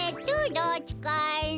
どっちかいな？